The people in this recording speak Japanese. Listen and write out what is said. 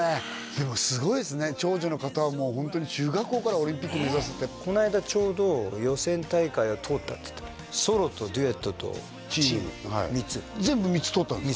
でもすごいですね長女の方もホントに中学校からオリンピック目指すってこの間ちょうど予選大会を通ったってソロとデュエットとチーム３つ全部３つ通ったんですか？